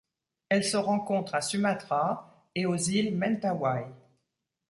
Elle se rencontre à Sumatra et aux îles Mentawai.